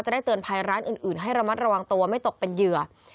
ได้เตือนภัยร้านอื่นให้ระมัดระวังตัวไม่ตกเป็นเหยื่อ